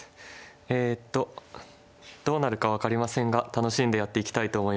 えっとどうなるか分かりませんが楽しんでやっていきたいと思います。